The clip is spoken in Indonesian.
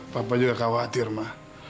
papa juga khawatir ma